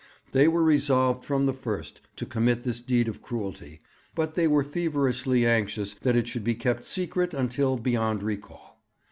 They were resolved from the first to commit this deed of cruelty, but they were feverishly anxious that it should be kept secret until beyond recall.